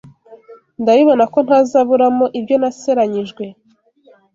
Ndabibona ko ntazabura mo ibyo naseranyijwe